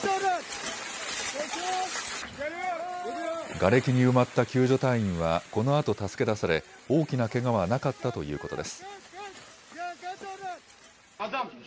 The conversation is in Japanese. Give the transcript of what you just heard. がれきに埋まった救助隊員はこのあと助け出され大きなけがはなかったということです。